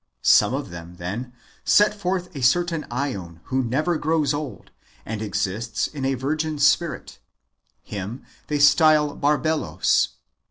Some of them, then, set forth a certain ^on wdio never grows old, and exists in a virgin spirit : him they style Barbelos.